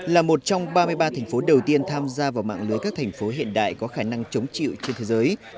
là một trong ba mươi ba thành phố đầu tiên tham gia vào mạng lưới các thành phố hiện đại có khả năng chống chịu trên thế giới